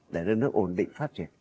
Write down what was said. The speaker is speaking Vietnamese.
để đất nước ổn định phát triển